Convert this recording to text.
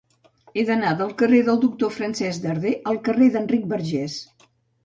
He d'anar del carrer del Doctor Francesc Darder al carrer d'Enric Bargés.